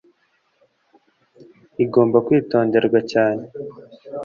igomba kwitonderwa cyane